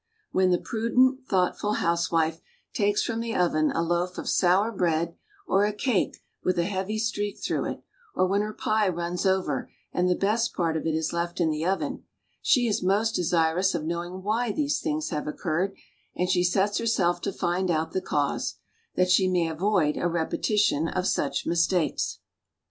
When the prudent, thoughtful housewife takes from the oven a loaf of sour bread or a cake with a heavy streak through it, or when her pie runs over and the best part of it is left in the oven, she is most desirous of knowing ivhy these things have occurred, and she sets herself to find out the cause, that she may avoid a repe tition of such mistakes.